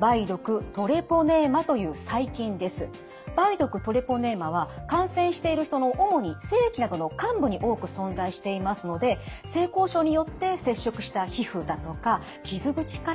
梅毒トレポネーマは感染している人の主に性器などの患部に多く存在していますので性交渉によって接触した皮膚だとか傷口から感染していきます。